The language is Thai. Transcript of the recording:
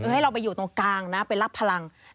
ให้เราไปอยู่ตรงกลางนะไปรับพลัง